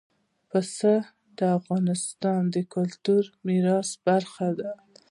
پسه د افغانستان د کلتوري میراث برخه ده.